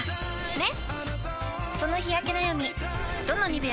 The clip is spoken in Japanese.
ねっ！